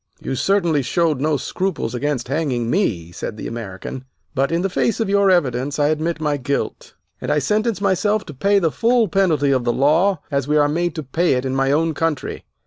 "You certainly showed no scruples against hanging me," said the American, "but in the face of your evidence I admit my guilt, and I sentence myself to pay the full penalty of the law as we are made to pay it in my own country.